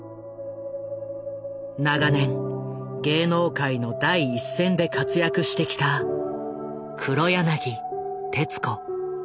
長年芸能界の第一線で活躍してきた黒柳徹子。